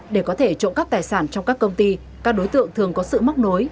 để có thể trộm cắp tài sản trong các công ty các đối tượng thường có sự móc nối